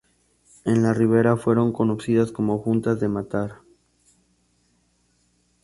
En la Ribera fueron conocidas como "Juntas de matar".